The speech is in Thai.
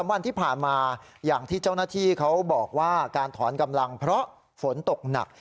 วันที่ผ่านมาอย่างที่เจ้าหน้าที่เขาบอกว่าการถอนกำลังเพราะฝนตกหนัก